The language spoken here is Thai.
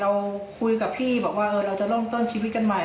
เราคุยกับพี่บอกว่าเราจะเริ่มต้นชีวิตกันใหม่